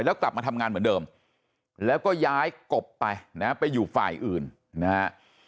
แล้วกลับมาทำงานเหมือนเดิมแล้วก็ย้ายกบไปนะฮะไปอยู่ฝ่ายอื่นนะฮะ